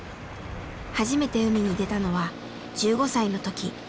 初めて海に出たのは１５歳の時。